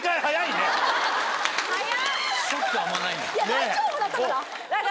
大丈夫だったから。